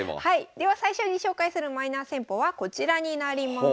では最初に紹介するマイナー戦法はこちらになります。